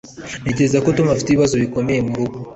Ntekereza ko Tom afite ibibazo bikomeye murugo.